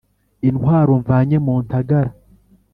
intwaro mvanye mu ntagara